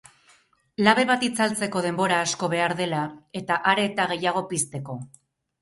Labe bat itzaltzeko denbora asko behar dela eta are eta gehiago pizteko.